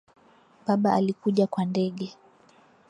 Baba alikuja kwa ndege